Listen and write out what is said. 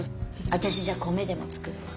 私じゃあ米でも作るわ。